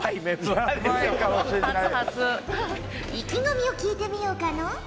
意気込みを聞いてみようかのう？